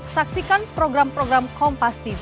saksikan program program kompas tv